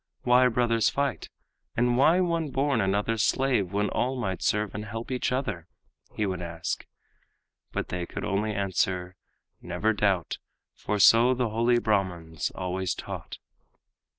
Why brothers fight? And why one born another's slave, when all Might serve and help each other?" he would ask. But they could only answer: "Never doubt, For so the holy Brahmans always taught."